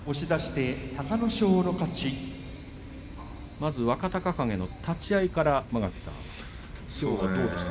まず若隆景の立ち合いから間垣さん、どうでした？